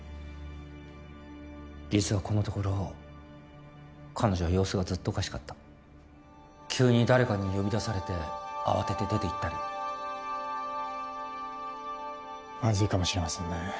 実はこのところ彼女は様子がずっとおかしかった急に誰かに呼び出されて慌てて出ていったりマズいかもしれませんね